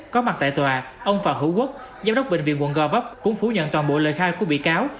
có mặt tại tòa ông phạm hữu quốc giám đốc bệnh viện quận gò vấp cũng phủ nhận toàn bộ lời khai của bị cáo